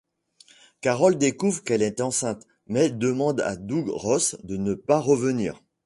Carol découvre qu'elle est enceinte, mais demande à Doug Ross de ne pas revenir.